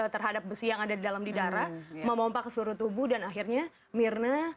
terhadap besi yang ada di dalam di darah memompak ke seluruh tubuh dan akhirnya mirna